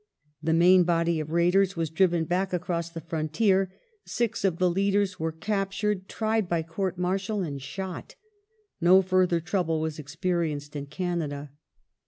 The main body of raiders was driven back across the frontier ; six of the leaders were captured, tried by court martial and shot. No further trouble was experienced in Canada.